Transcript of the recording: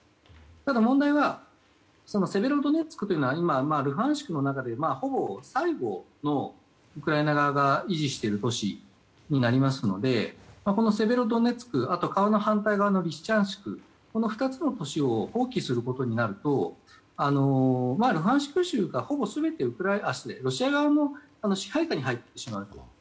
ただ、問題はセベロドネツクというのは今、ルハンシクの中でほぼ最後のウクライナ側が維持している都市になりますのでこのセベロドネツク、あとは川の反対側のリシチャンシクこの２つの都市を放棄することになるとほぼ全て、ロシア側の支配下に入ってしまう。